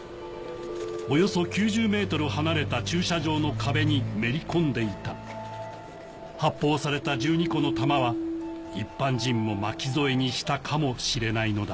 およそ９０ｍ離れた駐車場の壁にめり込んでいた発砲された１２個の弾は一般人も巻き添えにしたかもしれないのだ